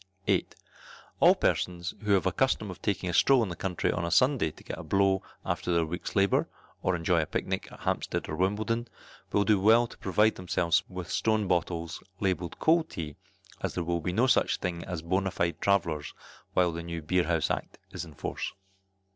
8. All persons who have a custom of taking a stroll into the country on a Sunday to get a blow after their week's labour, or enjoy a picnic at Hampstead or Wimbledon, will do well to provide themselves with stone bottles, labelled cold tea, as there will be no such a thing as bona fide travellers while the new Beer House Act is in force.